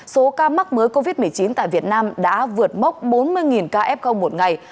số ca mắc mới covid một mươi chín tại việt nam đã vượt mốc bốn mươi ca f một ngày